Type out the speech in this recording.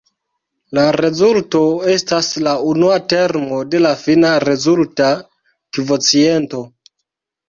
La rezulto estas la unua termo de la fina rezulta kvociento.